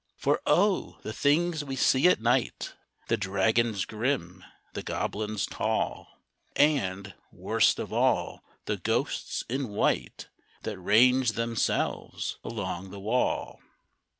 For O! the things we see at night The dragons grim, the goblins tall, And, worst of all, the ghosts in white That range themselves along the wall!